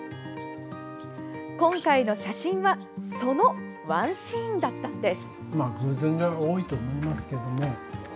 今回の写真はそのワンシーンだったんです。